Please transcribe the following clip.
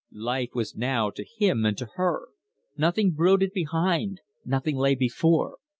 Life was Now to him and to her: nothing brooded behind, nothing lay before.